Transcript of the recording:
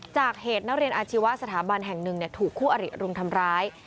จากเหตุนักเรียนอาชีวะสถาบันแห่งหนึ่งถูกคู่อริรุมทำร้าย